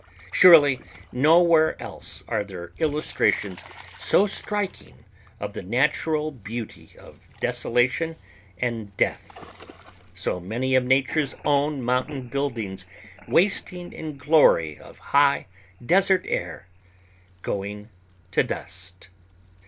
Surely nowhere else are there illustrations so striking of the natural beauty of desolation and death, so many of nature's own mountain buildings wasting in glory of high desert air—going to dust.